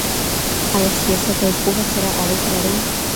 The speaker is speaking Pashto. ايا سياست او پوهه سره اړيکه لري؟